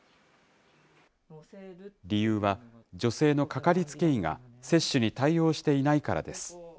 理由は、女性の掛かりつけ医が接種に対応していないからです。